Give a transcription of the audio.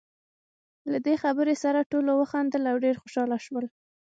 له دې خبرې سره ټولو وخندل، او ډېر خوشاله شول.